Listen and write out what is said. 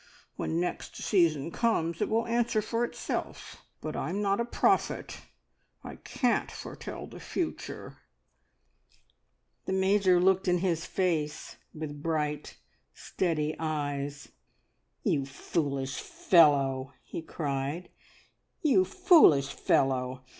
When next season comes it will answer for itself, but I'm not a prophet I can't foretell the future." The Major looked in his face with bright, steady eyes. "You foolish fellow!" he cried. "You foolish fellow!